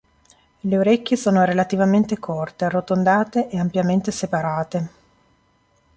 Le orecchie sono relativamente corte, arrotondate e ampiamente separate.